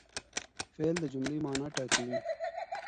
فعل د جملې مانا ټاکي.